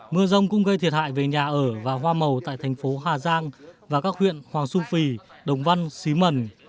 mưa rông cũng gây thiệt hại về nhà ở và hoa màu tại thành phố hà giang và các huyện hoàng su phi đồng văn xí mần